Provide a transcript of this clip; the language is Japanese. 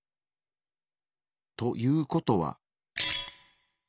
ということは。